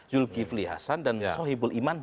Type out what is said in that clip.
yul givli hasan dan sohibul iman